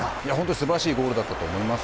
素晴らしいゴールだったと思います。